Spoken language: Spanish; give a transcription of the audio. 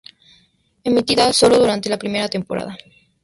Emitida solo durante la primera temporada.